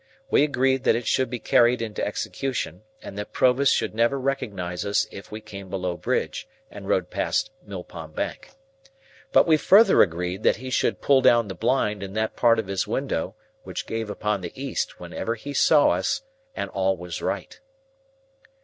We agreed that it should be carried into execution, and that Provis should never recognise us if we came below Bridge, and rowed past Mill Pond Bank. But we further agreed that he should pull down the blind in that part of his window which gave upon the east, whenever he saw us and all was right.